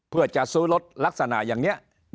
เพื่อจะซื้อรถลักษณะอย่างนี้